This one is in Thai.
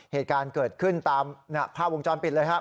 เหตุการณ์เกิดขึ้นตามภาพวงจรปิดเลยครับ